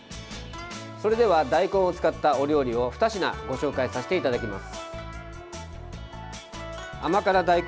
それでは大根を使ったお料理を２品ご紹介させていただきます。